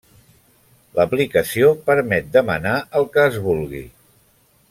L'aplicació permet demanar el que es vulgui.